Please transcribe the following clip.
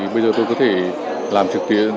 bây giờ tôi có thể làm trực tuyến